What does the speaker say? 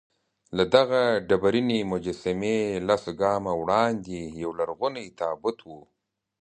له دغه ډبرینې مجسمې لس ګامه وړاندې یولرغونی تابوت و.